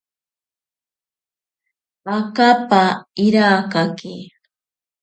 Akapa irakake.